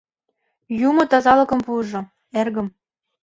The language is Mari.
Юмо тазалыкым пуыжо, эргым.